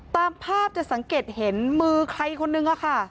ตามภาพจะสังเกตเห็นมือใครคนนึงค่ะ